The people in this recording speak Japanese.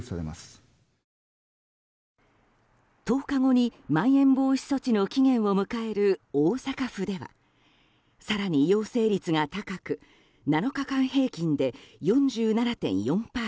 １０日後にまん延防止措置の期限を迎える大阪府では更に陽性率が高く７日間平均で４７．４％。